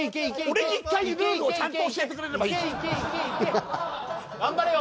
俺に１回ルールをちゃんと教えてくれいけいけいけ頑張れよ